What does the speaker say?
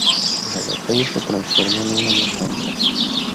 La batalla se transformó en una matanza.